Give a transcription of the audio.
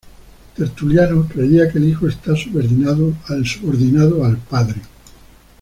Tertuliano, creía que el Hijo está "subordinado" al Padre.